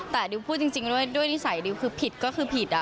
แต่ดิวพูดจริงด้วยนิสัยดิวคือผิดก็คือผิด